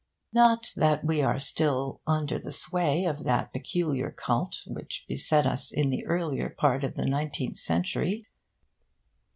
Not that we are still under the sway of that peculiar cult which beset us in the earlier part of the nineteenth century.